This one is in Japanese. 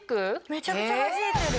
めちゃくちゃはじいてる。